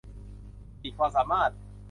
ขีดความสามารถ